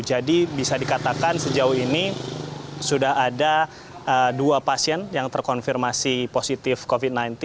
jadi bisa dikatakan sejauh ini sudah ada dua pasien yang terkonfirmasi positif covid sembilan belas